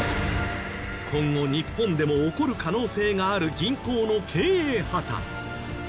今後日本でも起こる可能性がある銀行の経営破たん。